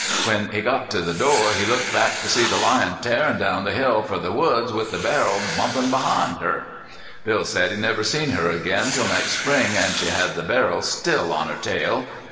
When he got to the door he looked back to see the lion tearin' down the hill fer the woods with the barrel bumpin' behind her. Bill said he never seen her again till next spring, an' she had the barrel still on her tail.